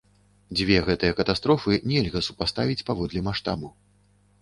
Дзве гэтыя катастрофы нельга супаставіць паводле маштабу.